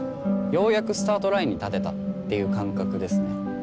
ようやくスタートラインに立てたっていう感覚ですね。